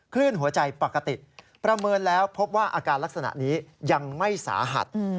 คลื่นหัวใจปกติประเมินแล้วพบว่าอาการลักษณะนี้ยังไม่สาหัส